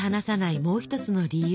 もう一つの理由。